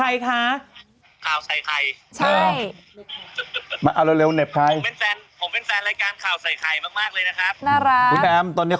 อยากจะฝากอะไรไปถึงคนนั้น